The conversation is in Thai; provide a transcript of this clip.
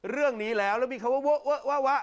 เรื่องนี้แล้วแล้วมีเขาวว